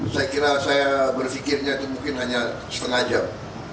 saya kira saya berpikirnya itu mungkin hanya setengah jam